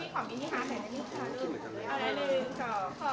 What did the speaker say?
ขอบคุณค่ะ